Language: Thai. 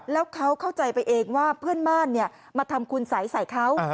แล้วเขาเข้าใจไปเองว่าเพื่อนบ้านมาทำคุณสัยใส่เขา